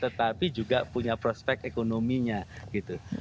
tetapi juga punya prospek ekonominya gitu